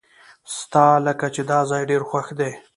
ستالکه چې داځای ډیر خوښ دی .